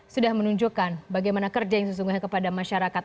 sudah menunjukkan bagaimana kerja yang sesungguhnya kepada masyarakat